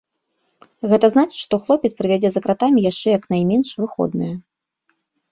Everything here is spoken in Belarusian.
Гэта значыць, што хлопец правядзе за кратамі яшчэ як найменш выходныя.